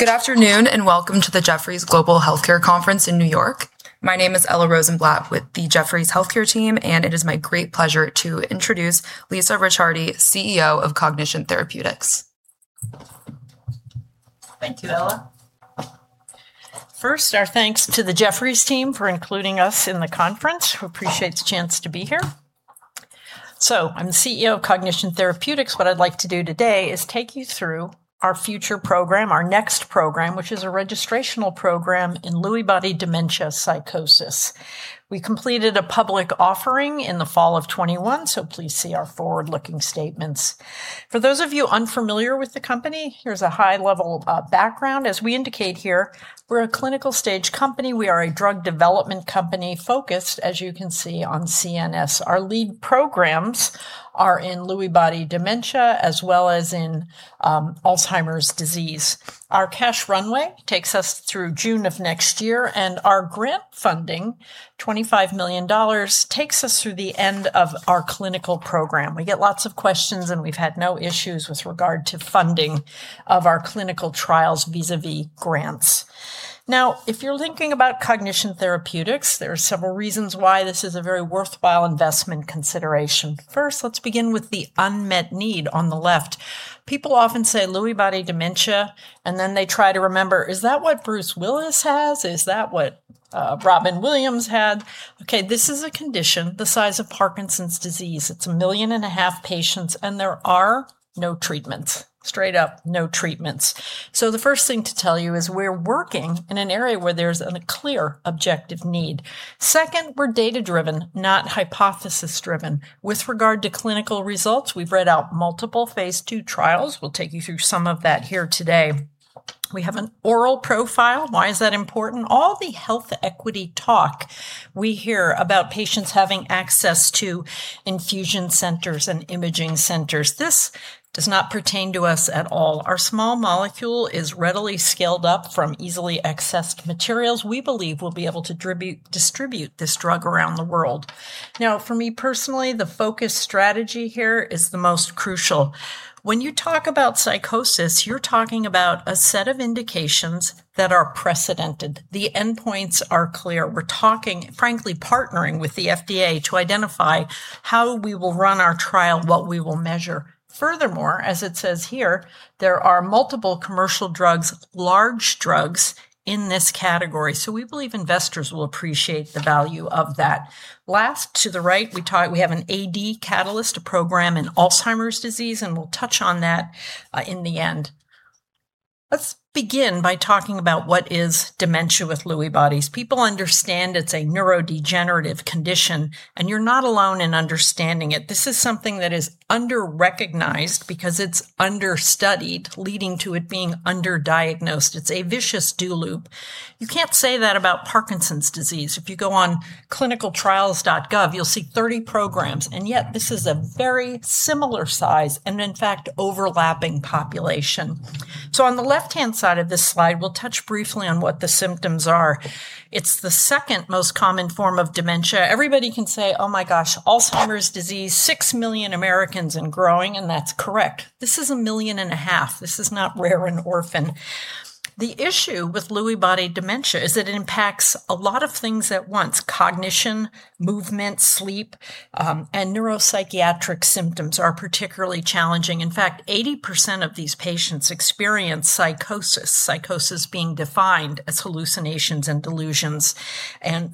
Good afternoon, welcome to the Jefferies Global Healthcare Conference in New York. My name is Ella Rosenblatt with the Jefferies Healthcare Team, and it is my great pleasure to introduce Lisa Ricciardi, CEO of Cognition Therapeutics. Thank you, Ella. First, our thanks to the Jefferies team for including us in the conference. We appreciate the chance to be here. I'm the CEO of Cognition Therapeutics. What I'd like to do today is take you through our future program, our next program, which is a registrational program in Lewy body dementia psychosis. We completed a public offering in the fall of 2021, so please see our forward-looking statements. For those of you unfamiliar with the company, here's a high-level background. As we indicate here, we're a clinical stage company. We are a drug development company focused, as you can see, on CNS. Our lead programs are in Lewy body dementia as well as in Alzheimer's disease. Our cash runway takes us through June of next year, and our grant funding, $25 million, takes us through the end of our clinical program. We get lots of questions. We've had no issues with regard to funding of our clinical trials vis-a-vis grants. If you're thinking about Cognition Therapeutics, there are several reasons why this is a very worthwhile investment consideration. First, let's begin with the unmet need on the left. People often say Lewy body dementia, and then they try to remember, is that what Bruce Willis has? Is that what Robin Williams had? This is a condition the size of Parkinson's disease. It's a million and a half patients, and there are no treatments. Straight up, no treatments. The first thing to tell you is we're working in an area where there's a clear objective need. Second, we're data-driven, not hypothesis-driven. With regard to clinical results, we've read out multiple phase II trials. We'll take you through some of that here today. We have an oral profile. Why is that important? All the health equity talk we hear about patients having access to infusion centers and imaging centers. This does not pertain to us at all. Our small molecule is readily scaled up from easily accessed materials. We believe we'll be able to distribute this drug around the world. For me personally, the focus strategy here is the most crucial. When you talk about psychosis, you're talking about a set of indications that are precedented. The endpoints are clear. We're talking, frankly, partnering with the FDA to identify how we will run our trial, what we will measure. As it says here, there are multiple commercial drugs, large drugs in this category. We believe investors will appreciate the value of that. Last, to the right, we have an AD catalyst, a program in Alzheimer's disease, and we'll touch on that in the end. Let's begin by talking about what is Dementia with Lewy Bodies. People understand it's a neurodegenerative condition, and you're not alone in understanding it. This is something that is under-recognized because it's understudied, leading to it being under-diagnosed. It's a vicious do loop. You can't say that about Parkinson's disease. If you go on ClinicalTrials.gov, you'll see 30 programs, and yet this is a very similar size and in fact overlapping population. On the left-hand side of this slide, we'll touch briefly on what the symptoms are. It's the second most common form of dementia. Everybody can say, oh my gosh, Alzheimer's disease, 6 million Americans and growing, and that's correct. This is 1.5 million. This is not rare in orphan. The issue with Lewy body dementia is that it impacts a lot of things at once. Cognition, movement, sleep, and neuropsychiatric symptoms are particularly challenging. In fact, 80% of these patients experience psychosis being defined as hallucinations and delusions.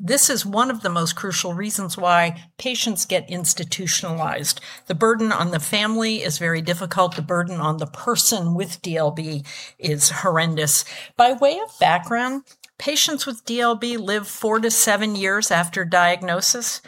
This is one of the most crucial reasons why patients get institutionalized. The burden on the family is very difficult. The burden on the person with DLB is horrendous. By way of background, patients with DLB live four to seven years after diagnosis.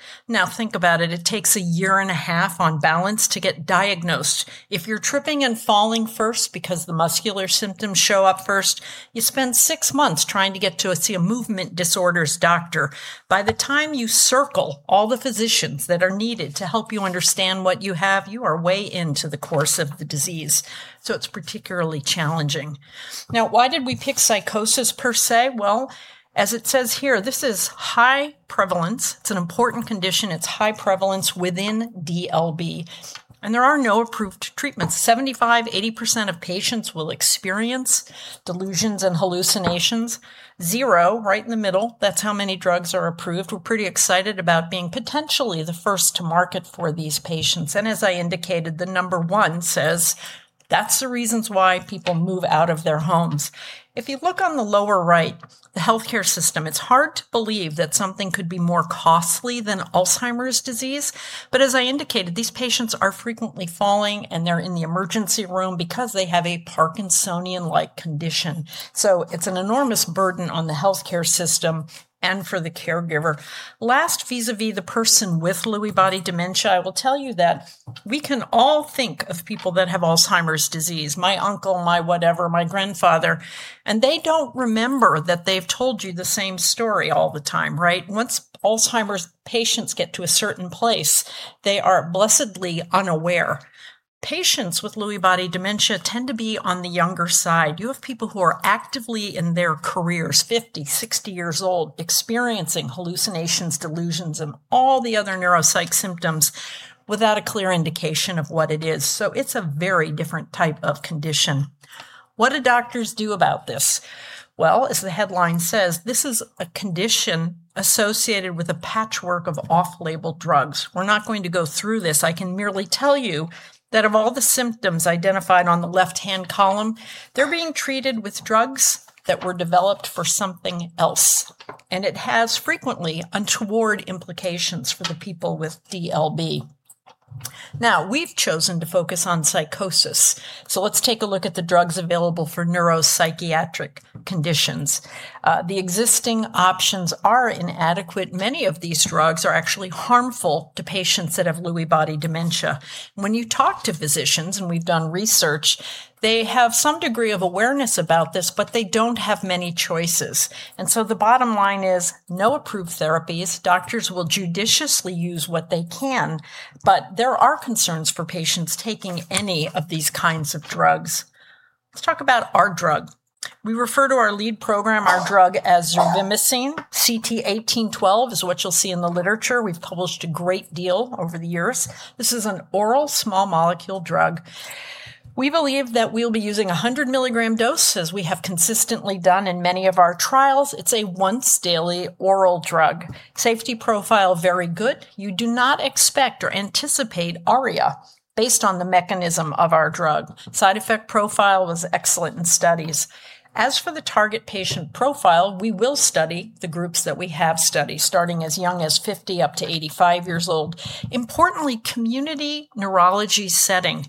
Think about it. It takes a 1.5 years on balance to get diagnosed. If you're tripping and falling first because the muscular symptoms show up first, you spend six months trying to get to see a movement disorders doctor. By the time you circle all the physicians that are needed to help you understand what you have, you are way into the course of the disease. It's particularly challenging. Why did we pick psychosis per se? Well, as it says here, this is high prevalence. It's an important condition. It's high prevalence within DLB, and there are no approved treatments. 75%, 80% of patients will experience delusions and hallucinations. Zero, right in the middle, that's how many drugs are approved. We're pretty excited about being potentially the first to market for these patients. As I indicated, the number one says that's the reasons why people move out of their homes. If you look on the lower right, the healthcare system, it's hard to believe that something could be more costly than Alzheimer's disease. As I indicated, these patients are frequently falling, and they're in the emergency room because they have a Parkinsonian-like condition. It's an enormous burden on the healthcare system and for the caregiver. Vis-a-vis the person with Lewy body dementia, I will tell you that we can all think of people that have Alzheimer's disease, my uncle, my whatever, my grandfather, and they don't remember that they've told you the same story all the time, right? Once Alzheimer's patients get to a certain place, they are blessedly unaware. Patients with Lewy body dementia tend to be on the younger side. You have people who are actively in their careers, 50, 60 years old, experiencing hallucinations, delusions, and all the other neuropsych symptoms without a clear indication of what it is. It's a very different type of condition. What do doctors do about this? Well, as the headline says, this is a condition associated with a patchwork of off-label drugs. We're not going to go through this. I can merely tell you that of all the symptoms identified on the left-hand column, they're being treated with drugs that were developed for something else, and it has frequently untoward implications for the people with DLB. We've chosen to focus on psychosis. Let's take a look at the drugs available for neuropsychiatric conditions. The existing options are inadequate. Many of these drugs are actually harmful to patients that have Lewy body dementia. When you talk to physicians, and we've done research, they have some degree of awareness about this, but they don't have many choices. The bottom line is no approved therapies. Doctors will judiciously use what they can, but there are concerns for patients taking any of these kinds of drugs. Let's talk about our drug. We refer to our lead program, our drug, as zervimesine. CT1812 is what you'll see in the literature. We've published a great deal over the years. This is an oral small molecule drug. We believe that we'll be using 100 mg dose, as we have consistently done in many of our trials. It's a once daily oral drug. Safety profile, very good. You do not expect or anticipate ARIA based on the mechanism of our drug. Side effect profile was excellent in studies. As for the target patient profile, we will study the groups that we have studied, starting as young as 50 years up to 85 years old. Importantly, community neurology setting.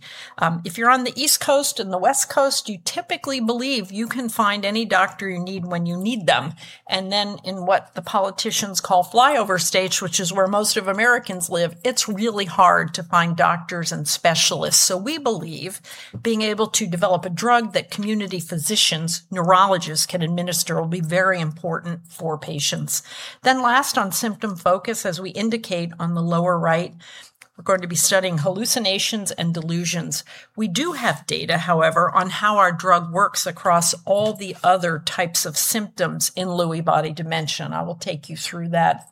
If you're on the East Coast and the West Coast, you typically believe you can find any doctor you need when you need them. In what the politicians call flyover states, which is where most of Americans live, it's really hard to find doctors and specialists. We believe being able to develop a drug that community physicians, neurologists can administer will be very important for patients. Last on symptom focus, as we indicate on the lower right, we're going to be studying hallucinations and delusions. We do have data, however, on how our drug works across all the other types of symptoms in Lewy body dementia, and I will take you through that.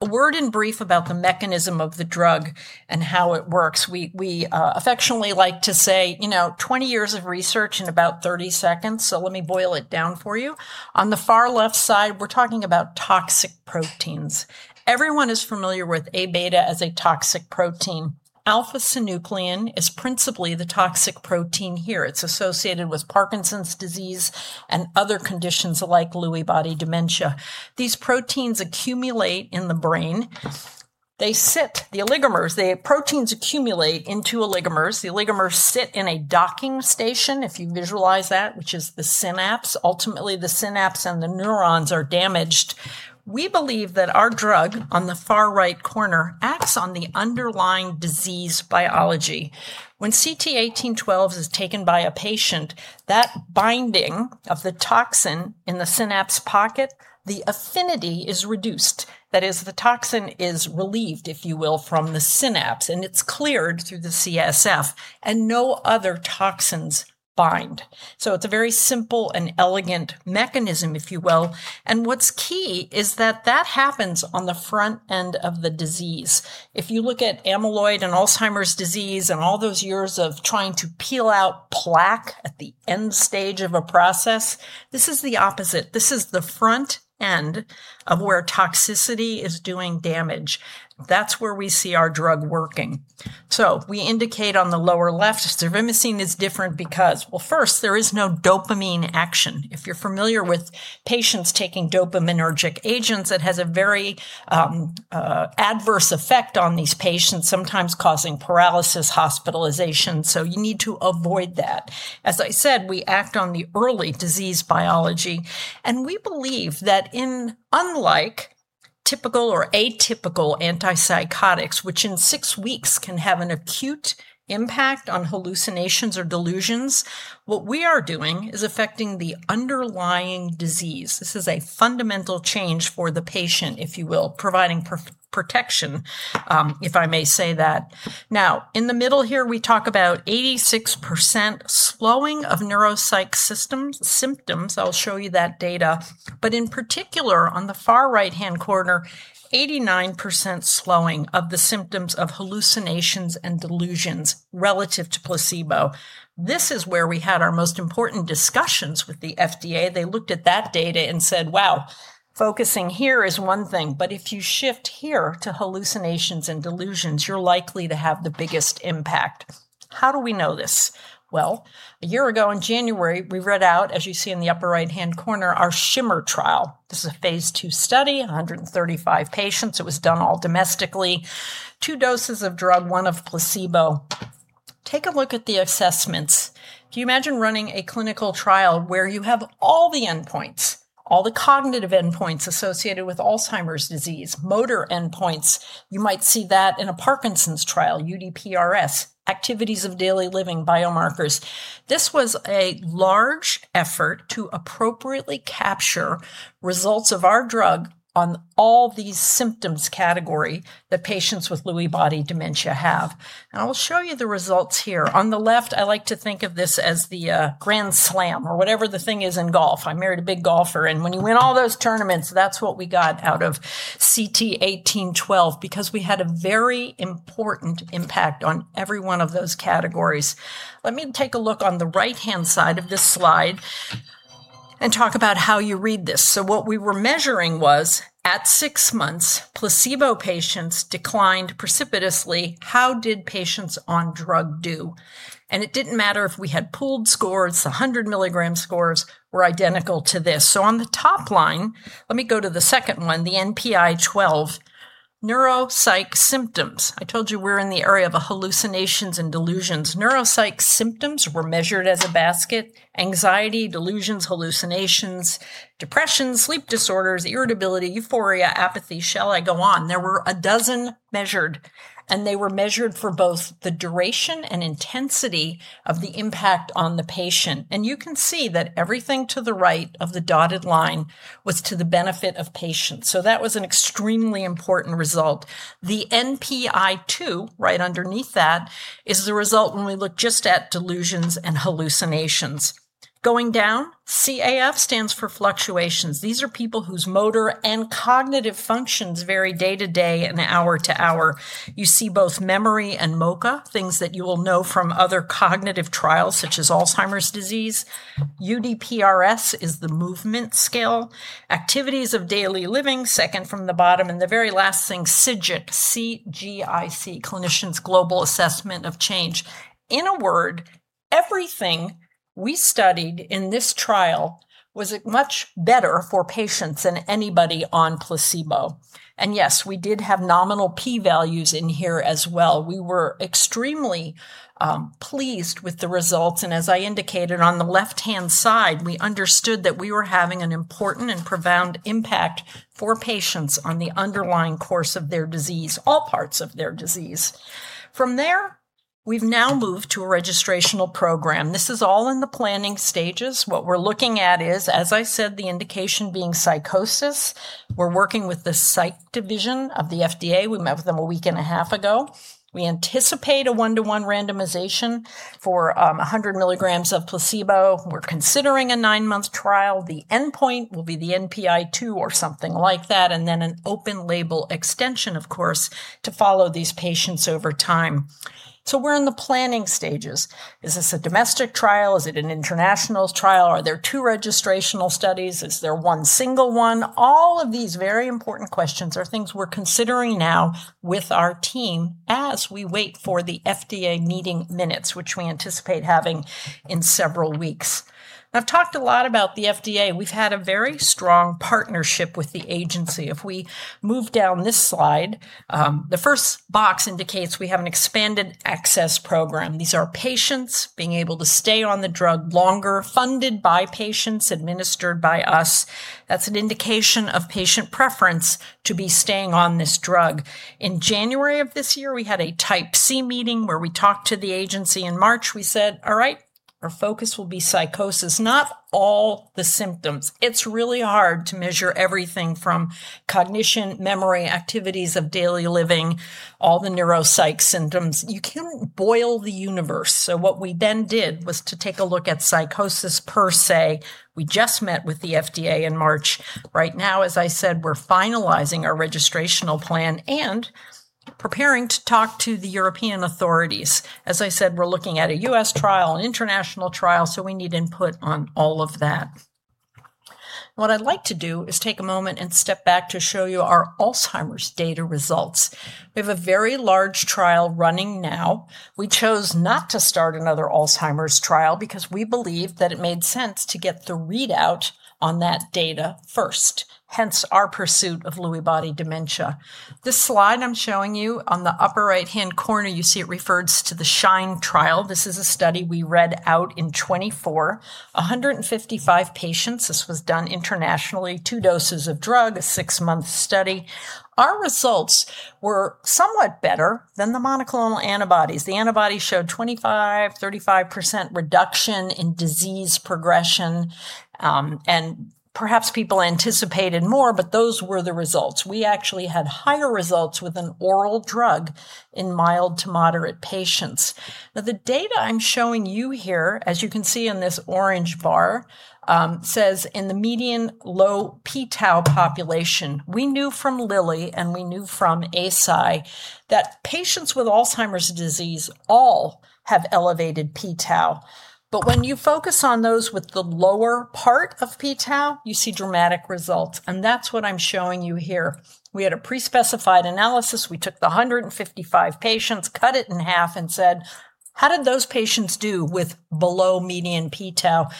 A word in brief about the mechanism of the drug and how it works. We affectionately like to say 20 years of research in about 30 seconds, so let me boil it down for you. On the far left side, we're talking about toxic proteins. Everyone is familiar with Aβ as a toxic protein. Alpha-synuclein is principally the toxic protein here. It's associated with Parkinson's disease and other conditions like Lewy body dementia. These proteins accumulate in the brain. The proteins accumulate into oligomers. The oligomers sit in a docking station, if you visualize that, which is the synapse. Ultimately, the synapse and the neurons are damaged. We believe that our drug, on the far right corner, acts on the underlying disease biology. When CT1812 is taken by a patient, that binding of the toxin in the synapse pocket, the affinity is reduced. That is, the toxin is relieved, if you will, from the synapse, and it's cleared through the CSF, and no other toxins bind. It's a very simple and elegant mechanism, if you will, and what's key is that that happens on the front end of the disease. If you look at amyloid and Alzheimer's disease and all those years of trying to peel out plaque at the end stage of a process, this is the opposite. This is the front end of where toxicity is doing damage. That's where we see our drug working. We indicate on the lower left, zervimesine is different because, well, first, there is no dopamine action. If you're familiar with patients taking dopaminergic agents, it has a very adverse effect on these patients, sometimes causing paralysis, hospitalization, so you need to avoid that. As I said, we act on the early disease biology, and we believe that unlike typical or atypical antipsychotics, which in six weeks can have an acute impact on hallucinations or delusions, what we are doing is affecting the underlying disease. This is a fundamental change for the patient, if you will, providing protection, if I may say that. In the middle here, we talk about 86% slowing of neuropsych symptoms. I'll show you that data. In particular, on the far right-hand corner, 89% slowing of the symptoms of hallucinations and delusions relative to placebo. This is where we had our most important discussions with the FDA. They looked at that data and said, "Wow, focusing here is one thing. If you shift here to hallucinations and delusions, you're likely to have the biggest impact." How do we know this? A year ago in January, we read out, as you see in the upper right-hand corner, our SHIMMER trial. This is a phase II study, 135 patients. It was done all domestically. Two doses of drug, one of placebo. Take a look at the assessments. Can you imagine running a clinical trial where you have all the endpoints, all the cognitive endpoints associated with Alzheimer's disease, motor endpoints? You might see that in a Parkinson's trial, UPDRS, activities of daily living biomarkers. This was a large effort to appropriately capture results of our drug on all these symptoms category that patients with Lewy body dementia have. I will show you the results here. On the left, I like to think of this as the grand slam or whatever the thing is in golf. I married a big golfer, and when you win all those tournaments, that's what we got out of CT1812 because we had a very important impact on every one of those categories. Let me take a look on the right-hand side of this slide. Talk about how you read this. What we were measuring was, at six months, placebo patients declined precipitously. How did patients on drug do? It didn't matter if we had pooled scores, the 100 mg scores were identical to this. On the top line, let me go to the second one, the NPI-12, neuropsych symptoms. I told you we're in the area of hallucinations and delusions. Neuropsych symptoms were measured as a basket. Anxiety, delusions, hallucinations, depression, sleep disorders, irritability, euphoria, apathy, shall I go on? There were a dozen measured, and they were measured for both the duration and intensity of the impact on the patient. You can see that everything to the right of the dotted line was to the benefit of patients. That was an extremely important result. The NPI-2, right underneath that, is the result when we look just at delusions and hallucinations. Going down, CAF stands for fluctuations. These are people whose motor and cognitive functions vary day to day and hour to hour. You see both memory and MoCA, things that you will know from other cognitive trials such as Alzheimer's disease. UPDRS is the movement scale. Activities of daily living, second from the bottom, and the very last thing, CGIC, C-G-I-C, Clinician's Global Assessment of Change. In a word, everything we studied in this trial was much better for patients than anybody on placebo. Yes, we did have nominal P values in here as well. We were extremely pleased with the results. As I indicated on the left-hand side, we understood that we were having an important and profound impact for patients on the underlying course of their disease, all parts of their disease. From there, we've now moved to a registrational program. This is all in the planning stages. What we're looking at is, as I said, the indication being psychosis. We're working with the psych division of the FDA. We met with them a week and a half ago. We anticipate a one-to-one randomization for 100 mg of placebo. We're considering a nine-month trial. The endpoint will be the NPI-2 or something like that, and then an open label extension, of course, to follow these patients over time. We're in the planning stages. Is this a domestic trial? Is it an international trial? Are there two registrational studies? Is there one single one? All of these very important questions are things we're considering now with our team as we wait for the FDA meeting minutes, which we anticipate having in several weeks. I've talked a lot about the FDA. We've had a very strong partnership with the agency. If we move down this slide, the first box indicates we have an expanded access program. These are patients being able to stay on the drug longer, funded by patients, administered by us. That's an indication of patient preference to be staying on this drug. In January of this year, we had a Type C meeting where we talked to the agency. In March, we said, "All right, our focus will be psychosis," not all the symptoms. It's really hard to measure everything from cognition, memory, activities of daily living, all the neuropsych symptoms. You can't boil the universe. What we then did was to take a look at psychosis per se. We just met with the FDA in March. Right now, as I said, we're finalizing our registrational plan and preparing to talk to the European authorities. As I said, we're looking at a U.S. trial, an international trial, we need input on all of that. What I'd like to do is take a moment and step back to show you our Alzheimer's data results. We have a very large trial running now. We chose not to start another Alzheimer's trial because we believed that it made sense to get the readout on that data first, hence our pursuit of Lewy body dementia. This slide I'm showing you, on the upper right-hand corner, you see it refers to the SHINE trial. This is a study we read out in 2024, 155 patients. This was done internationally, two doses of drug, a six-month study. Our results were somewhat better than the monoclonal antibodies. The antibodies showed 25%, 35% reduction in disease progression, and perhaps people anticipated more, but those were the results. We actually had higher results with an oral drug in mild to moderate patients. The data I'm showing you here, as you can see in this orange bar, says in the median low p-tau population. We knew from Lilly and we knew from Eisai that patients with Alzheimer's disease all have elevated p-tau. When you focus on those with the lower part of p-tau, you see dramatic results, and that's what I'm showing you here. We had a pre-specified analysis. We took the 155 patients, cut it in half, and said, "How did those patients do with below median p-tau?"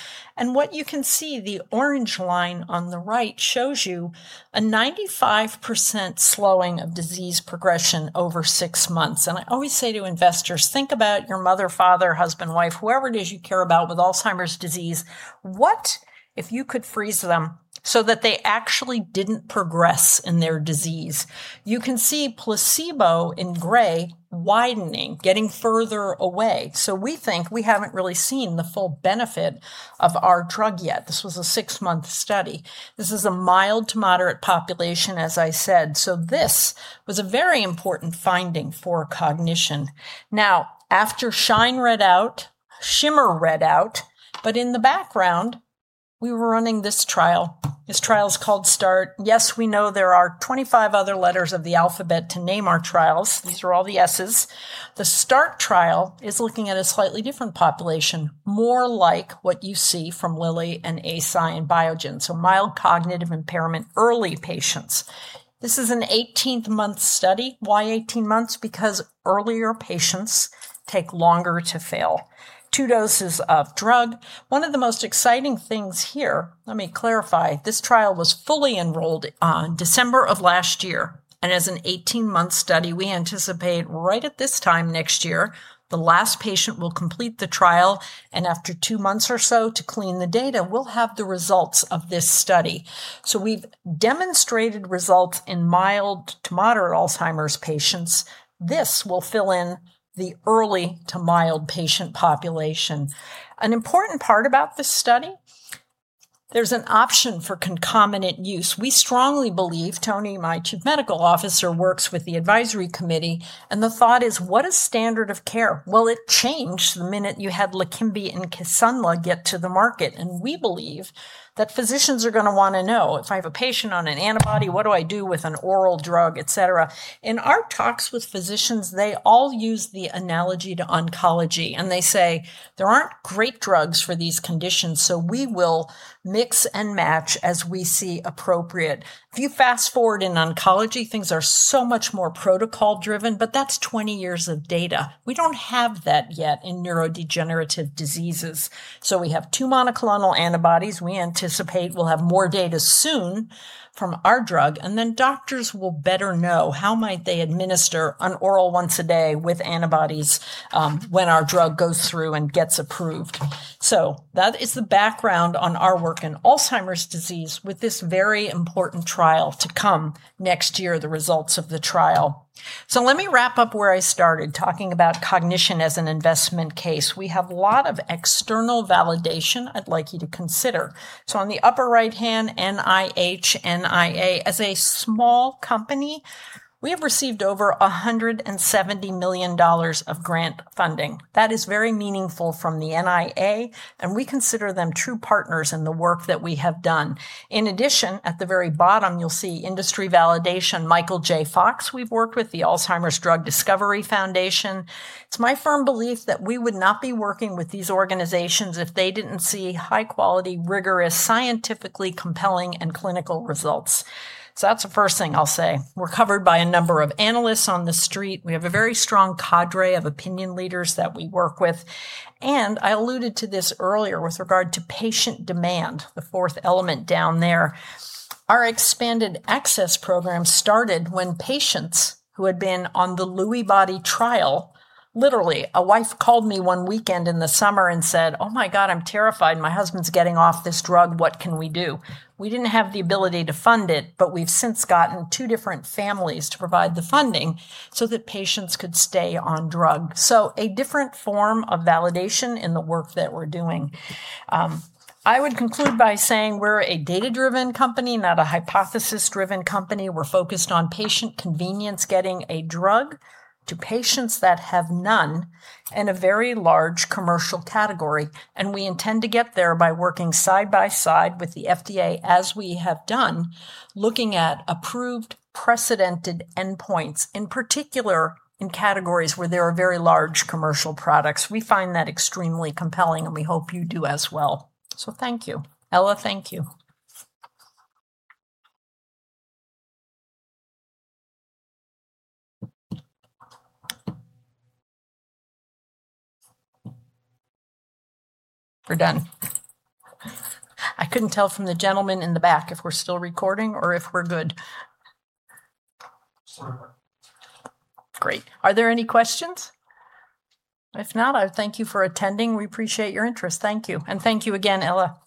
What you can see, the orange line on the right shows you a 95% slowing of disease progression over six months. I always say to investors, think about your mother, father, husband, wife, whoever it is you care about with Alzheimer's disease. What if you could freeze them so that they actually didn't progress in their disease? You can see placebo in gray widening, getting further away. We think we haven't really seen the full benefit of our drug yet. This was a six-month study. This is a mild to moderate population, as I said. This was a very important finding for Cognition. After SHINE read out, SHIMMER read out, but in the background, we were running this trial called START. Yes, we know there are 25 other letters of the alphabet to name our trials. These are all the S's. The START trial is looking at a slightly different population, more like what you see from Lilly and Eisai and Biogen, mild cognitive impairment early patients. This is an 18-month study. Why 18 months? Earlier patients take longer to fail. Two doses of drug. One of the most exciting things here, let me clarify, this trial was fully enrolled on December of last year. As an 18-month study, we anticipate right at this time next year, the last patient will complete the trial, and after two months or so to clean the data, we'll have the results of this study. We've demonstrated results in mild-to-moderate Alzheimer's patients. This will fill in the early-to-mild patient population. An important part about this study, there's an option for concomitant use. We strongly believe, Tony, my Chief Medical Officer, works with the advisory committee, and the thought is: What is standard of care? It changed the minute you had LEQEMBI and Kisunla get to the market. We believe that physicians are going to want to know, if I have a patient on an antibody, what do I do with an oral drug, et cetera? In our talks with physicians, they all use the analogy to oncology, and they say, "There aren't great drugs for these conditions, so we will mix and match as we see appropriate." If you fast-forward in oncology, things are so much more protocol-driven, but that's 20 years of data. We don't have that yet in neurodegenerative diseases. We have two monoclonal antibodies. We anticipate we'll have more data soon from our drug, then doctors will better know how might they administer an oral once a day with antibodies when our drug goes through and gets approved. That is the background on our work in Alzheimer's disease with this very important trial to come next year, the results of the trial. Let me wrap up where I started, talking about cognition as an investment case. We have a lot of external validation I'd like you to consider. On the upper right hand, NIH, NIA. As a small company, we have received over $170 million of grant funding. That is very meaningful from the NIA, and we consider them true partners in the work that we have done. In addition, at the very bottom, you'll see industry validation. Michael J. Fox, we've worked with. The Alzheimer's Drug Discovery Foundation. It's my firm belief that we would not be working with these organizations if they didn't see high-quality, rigorous, scientifically compelling, and clinical results. That's the first thing I'll say. We're covered by a number of analysts on the street. We have a very strong cadre of opinion leaders that we work with. I alluded to this earlier with regard to patient demand, the fourth element down there. Our expanded access program started when patients who had been on the Lewy body trial, literally, a wife called me one weekend in the summer and said, "Oh my God, I'm terrified. My husband's getting off this drug. What can we do?" We didn't have the ability to fund it, but we've since gotten two different families to provide the funding so that patients could stay on drug. A different form of validation in the work that we're doing. I would conclude by saying we're a data-driven company, not a hypothesis-driven company. We're focused on patient convenience, getting a drug to patients that have none, in a very large commercial category. We intend to get there by working side by side with the FDA as we have done, looking at approved precedented endpoints. In particular, in categories where there are very large commercial products. We find that extremely compelling, and we hope you do as well. Thank you. Ella, thank you. We're done. I couldn't tell from the gentleman in the back if we're still recording or if we're good. Sure. Great. Are there any questions? If not, I thank you for attending. We appreciate your interest. Thank you. Thank you again, Ella.